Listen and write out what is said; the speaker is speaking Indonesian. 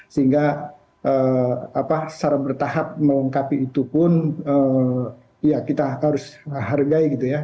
sehingga secara bertahap melengkapi itu pun ya kita harus hargai gitu ya